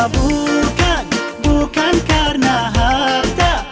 bukan bukan karena harta